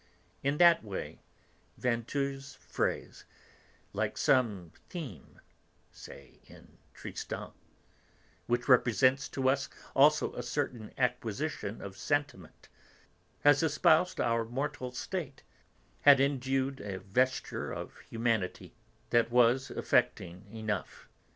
In that way Vinteuil's phrase, like some theme, say, in Tristan, which represents to us also a certain acquisition of sentiment, has espoused our mortal state, had endued a vesture of humanity that was affecting enough.